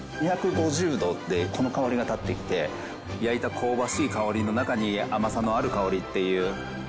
２５０度でこの香りが立ってきて焼いた香ばしい香りの中に甘さのある香りっていう。